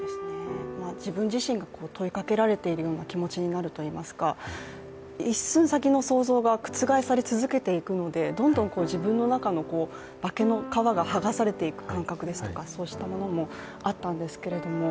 自分自身に問いかけられているような気持ちになるといいますか一寸先の想像が覆され続けていくのでどんどん自分の中の化けの皮が剥がされていくような感覚とかそうしたものもあったんですけれども。